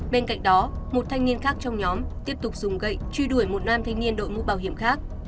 bên cạnh đó một thanh niên khác trong nhóm tiếp tục dùng gậy truy đuổi một nam thanh niên đội mũ bảo hiểm khác